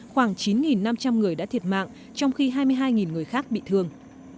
khoảng chín năm trăm linh người đã thiệt mạng trong khi hai mươi hai người khác bị thương